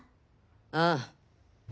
ああ。